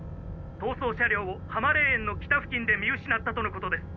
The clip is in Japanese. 逃走車両を濱霊園の北付近で見失ったとのことです。